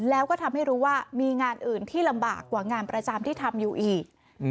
แล้วก็ทำให้รู้ว่ามีงานอื่นที่ลำบากกว่างานประจำที่ทำอยู่อีก